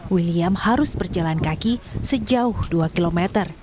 william harus berjalan kaki sejauh dua km